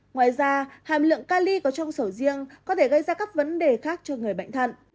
ngoài ra hàm lượng cali có trong sầu riêng có thể gây ra các vấn đề khác cho người bệnh thận